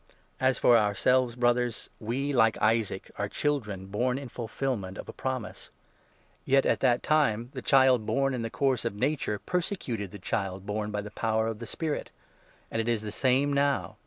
As for ourselves, Brothers, we, like Isaac, are children born in 28 fulfilment of a promise. Yet at that time the child born in the 29 course of nature persecuted the child born by the power of the Spirit ; and it is the same now.